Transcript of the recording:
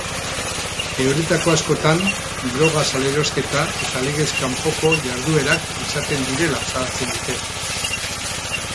Euretako askotan droga salerosketa eta legez kanpoko jarduerak izaten direla salatzen dute.